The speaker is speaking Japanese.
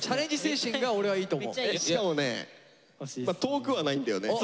しかもね遠くはないんだよね。